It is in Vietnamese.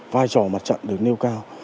vai trò mặt chậm được nêu cao